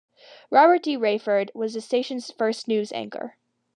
Robert D. Raiford was the station's first news anchor.